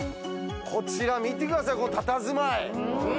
こちら、見てください、このたたずまい。